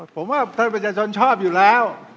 ผมว่าท่านประชาชนชอบอยู่แล้ว